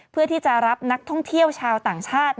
เพื่อที่จะรับนักท่องเที่ยวชาวต่างชาติ